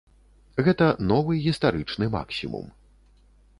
Гэта новы гістарычны максімум.